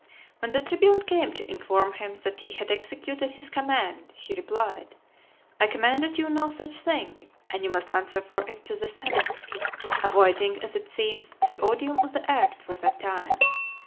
When the tribune came to inform him that he had executed his command, he replied, "I commanded you no such thing, and you must answer for it to the senate;" avoiding, as it seems, the odium of the act for that time.